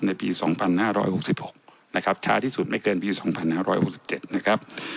ในปี๒๕๖๖นะครับช้าที่สุดไม่เกินปี๒๕๖๗นะครับ